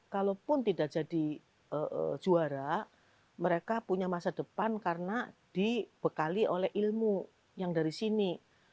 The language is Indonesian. kalaupun tidak jadi juara mereka punya masa depan karena dibekali oleh ilmu yang dari sini